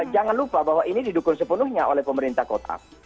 jangan lupa bahwa ini didukung sepenuhnya oleh pemerintah kota